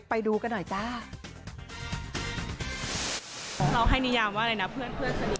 ไปดูกันหน่อยจ้าเราให้นิยามว่าอะไรน่ะเพื่อน